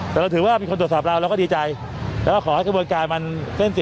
แต่เราถือว่ามีคนตรวจสอบเราเราก็ดีใจแล้วก็ขอให้กระบวนการมันเส้นสิ